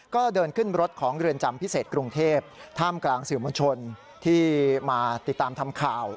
ก็เดินขึ้นรถของเรือนจำพิเศษกรุงเทพท่ามกลางสื่อมวลชนที่มาติดตามทำข่าว